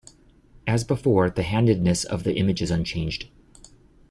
As before, the handedness of the image is unchanged.